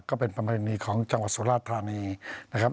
ก็เป็นประเพณีของจังหวัดสุราธารณีนะครับ